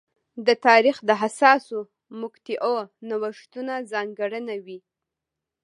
د تاریخ د حساسو مقطعو نوښتونه ځانګړنه وې.